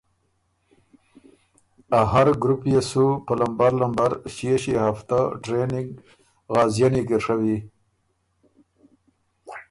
که ا هر ګروپ يې سُو په لمبر لمبر ݭيې ݭيې هفته ټرېننګ غازيَنی کی ڒوی۔